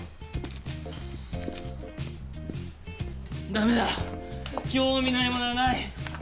ダメだ興味ないものはない！